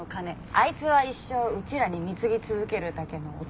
あいつは一生うちらに貢ぎ続けるだけの男。